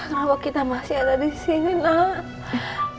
kenapa kita masih ada disini nak